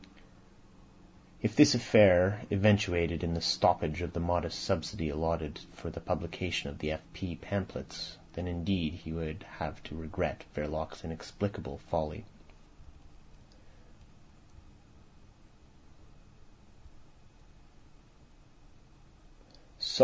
If this affair eventuated in the stoppage of the modest subsidy allotted to the publication of the F. P. pamphlets, then indeed he would have to regret Verloc's inexplicable folly.